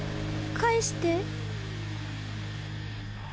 返して。